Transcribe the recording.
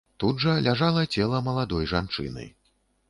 Тут жа ляжала цела маладой жанчыны.